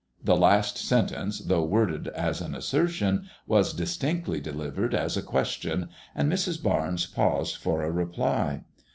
The last sentence, though worded as an assertion, was dis tinctly delivered as a question, and Mrs. Barnes paused for a reply.